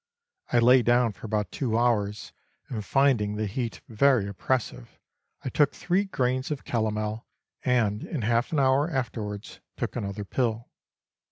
I lay down for about two hours, and finding the heat very oppressive, I took three grains of calomel, and in half an hour afterwards took another pill.